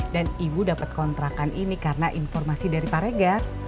dan ibu dapat kontrakan ini karena informasi dari paregar